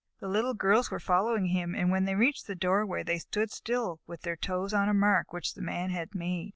The Little Girls were following him, and when they reached the doorway they stood still with their toes on a mark which the Man had made.